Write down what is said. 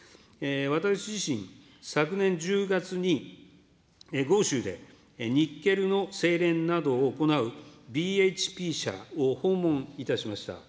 私自身、昨年１０月に豪州でニッケルの精練などを行うビーエッチピー社を訪問いたしました。